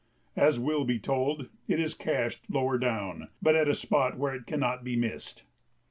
As will be told, it is cached lower down, but at a spot where it cannot be missed.